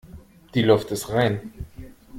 Die Luft ist rein.